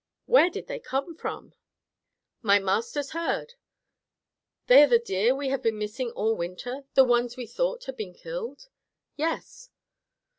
"Where did they come from?" "My master's herd." "They are the deer we have been missing all winter, the ones we thought had been killed?" "Yes."